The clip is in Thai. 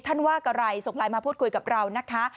ว่าอะไรส่งไลน์มาพูดคุยกับเรานะคะ